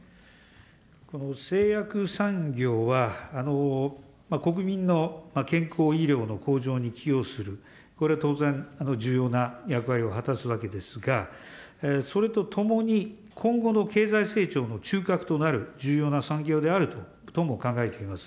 この製薬産業は、国民の健康医療の向上に寄与する、これ、当然、重要な役割を果たすわけですが、それとともに、今後の経済成長の中核となる重要な産業であるとも考えています。